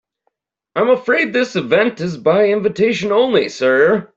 I'm afraid this event is by invitation only, sir.